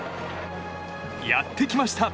やってきました。